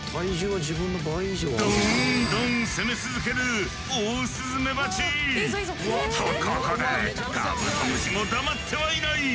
どんどん攻め続けるオオスズメバチ！とここでカブトムシも黙ってはいない！